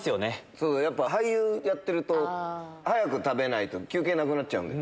俳優やってると早く食べないと休憩なくなっちゃう。